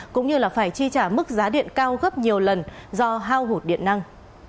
cũng như là phải chi trả mức giá điện cao gấp nhiều lần do hao hụt điện năng